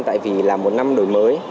tại vì là một năm đổi mở